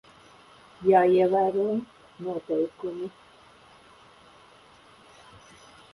Jāievēro noteikumi.